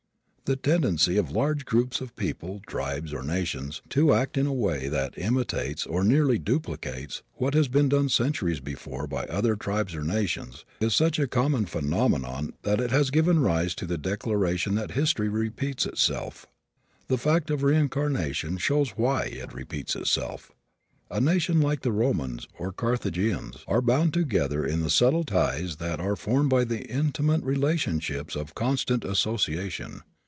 The tendency of large groups of people, tribes or nations, to act in a way that imitates, or nearly duplicates, what has been done centuries before by other tribes or nations, is such a common phenomenon that it has given rise to the declaration that history repeats itself. The fact of reincarnation shows why it repeats itself. A nation like the Romans, or the Carthaginians, are bound together in the subtle ties that are formed by the intimate relationships of constant association.